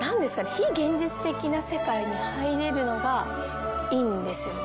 非現実的な世界に入れるのがいいんですよね。